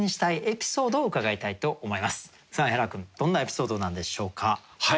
エハラ君どんなエピソードなんでしょうか？